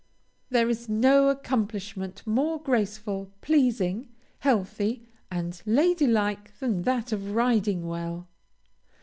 There is no accomplishment more graceful, pleasing, healthy, and lady like, than that of riding well.